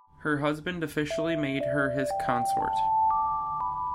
Her husband officially made her his consort.